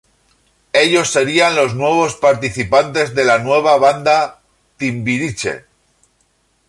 Ellos serían los nuevos participantes de la nueva banda Timbiriche.